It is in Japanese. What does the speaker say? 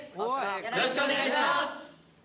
よろしくお願いします！